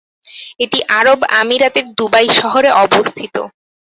এটি আরব আমিরাতের দুবাই শহরে অবস্থিত।